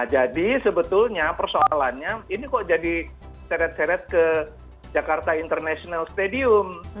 sebetulnya persoalannya ini kok jadi seret seret ke jakarta international stadium